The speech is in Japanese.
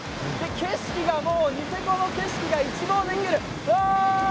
景色がニセコの景色が一望できる。